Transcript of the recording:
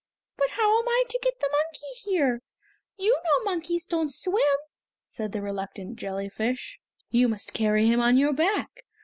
"But how am I to get the monkey here? You know monkeys don't swim!" said the reluctant jellyfish. "You must carry him on your back.